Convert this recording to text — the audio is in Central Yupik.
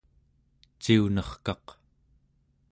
ciunerkaq